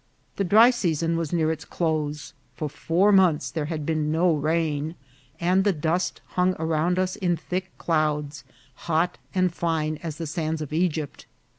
The dry season was near its close ; for four months there had been no rain, and the dust hung around us in thick clouds, hot and fine as the sands of Egypt.